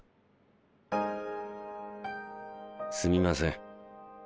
すみません